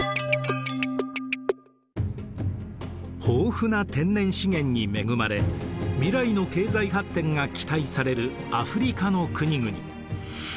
豊富な天然資源に恵まれ未来の経済発展が期待されるアフリカの国々。